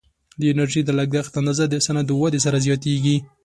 د انرژي د لګښت اندازه د صنعت د ودې سره زیاتیږي.